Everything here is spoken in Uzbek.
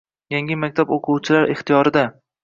Yangi maktab o‘quvchilar ixtiyoridang